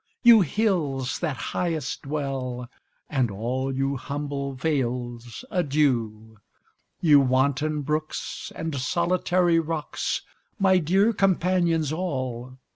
You hills, that highest dwell; And all you humble vales, adieu! You wanton brooks, and solitary rocks, My dear companions all!